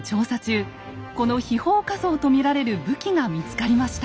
この飛砲火槍と見られる武器が見つかりました。